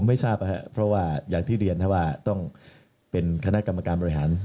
ไม่ทราบนะครับเพราะว่าอย่างที่เรียนว่าต้องเป็นคณะกรรมการบริหาร